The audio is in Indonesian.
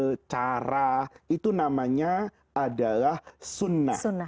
metode cara itu namanya adalah sunnah